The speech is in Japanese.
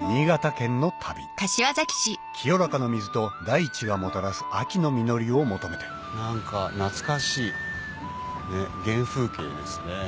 新潟県の旅清らかな水と大地がもたらす秋の実りを求めて何か懐かしい原風景ですね。